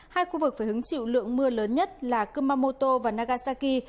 hai khu vực phải hứng chịu lượng mưa lớn nhất là cưmamoto và nagasaki